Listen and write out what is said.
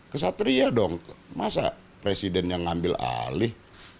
kesatria dong masa presiden yang ngambil alih